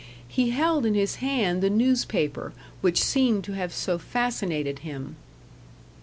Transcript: He held in his hand the newspaper which seemed to have so fascinated him.